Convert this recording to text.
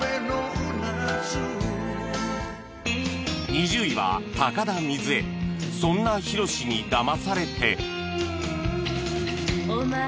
２０位は高田みづえ『そんなヒロシに騙されて』